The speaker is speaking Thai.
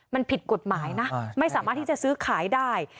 มันผิดกฎหมายนะไม่สามารถที่จะซื้อขายได้